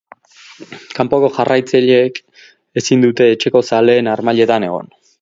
Kanpoko jarraitzaileek ezin dute etxeko zaleen harmailetan egon.